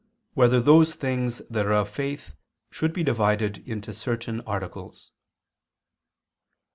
6] Whether Those Things That Are of Faith Should Be Divided into Certain Articles?